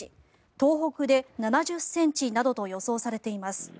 東北で７０ｃｍなどと予想されています。